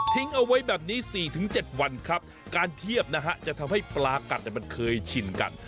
เอาไว้แบบนี้๔๗วันครับการเทียบนะฮะจะทำให้ปลากัดมันเคยชินกัน